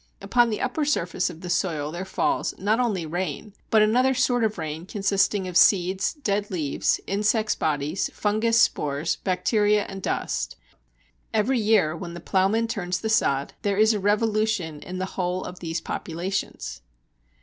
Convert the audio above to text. Upon the upper surface of the soil there falls not only rain, but another sort of rain consisting of seeds, dead leaves, insects' bodies, fungus spores, bacteria, and dust. Every year when the ploughman turns the sod there is a revolution in the whole of these populations.